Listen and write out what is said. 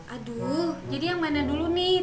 aduh jadi yang mana dulu nih